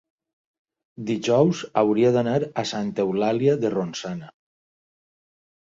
dijous hauria d'anar a Santa Eulàlia de Ronçana.